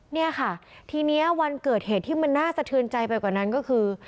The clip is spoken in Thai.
เนี่ยค่ะทีนี้วันเกิดเหตุที่มันน่าสะเทือนใจไปกว่านั้นก็คือ